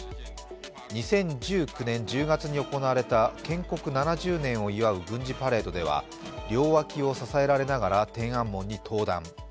２０１９年１０月に行われた建国７０年を祝う軍事パレードでは両脇を支えられながら天安門に登壇。